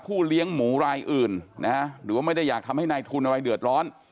เลี้ยงหมูรายอื่นนะหรือว่าไม่ได้อยากทำให้นายทุนอะไรเดือดร้อน